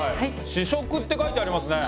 試食って書いてありますね？